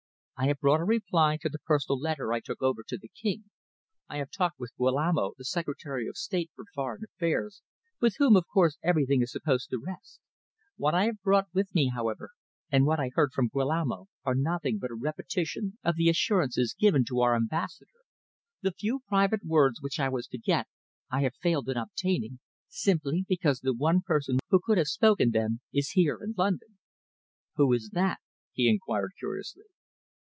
I have brought a reply to the personal letter I took over to the King. I have talked with Guillamo, the Secretary of State for Foreign Affairs, with whom, of course, everything is supposed to rest. What I have brought with me, however, and what I heard from Guillamo, are nothing but a repetition of the assurances given to our Ambassador. The few private words which I was to get I have failed in obtaining, simply because the one person who could have spoken them is here in London." "Who is that?" he enquired curiously.